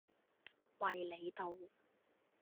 衛理道